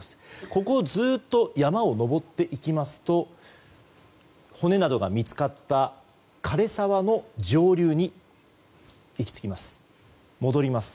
ここをずっと山を登っていきますと骨などが見つかった枯れ沢の上流に行き着きます。